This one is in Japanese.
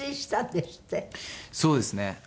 そうですね。